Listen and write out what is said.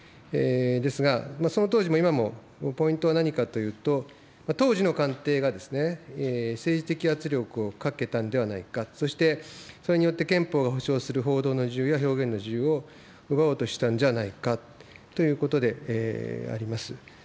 ですが、その当時も今も、ポイントは何かというと、当時の官邸が政治的圧力をかけたんではないか、そして、それによって憲法が保障する報道の自由や表現の自由を奪おうとしたんじゃないかということであります。